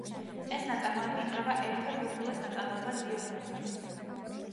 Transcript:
ეს ნაწარმოები ითვლება ერთ-ერთ ურთულეს ნაწარმოებად ვიოლინოსათვის.